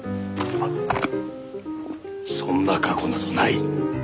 そんな過去などない！